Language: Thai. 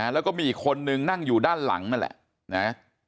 แล้วก็มีอีกคนนึงนั่งอยู่ด้านหลังนั่นแหละนะ